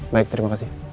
baik terima kasih